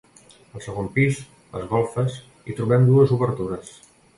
Al segon pis, les golfes, hi trobem dues obertures.